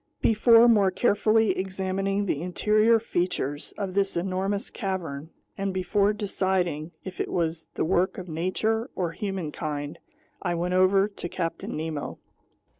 Before more carefully examining the interior features of this enormous cavern, and before deciding if it was the work of nature or humankind, I went over to Captain Nemo.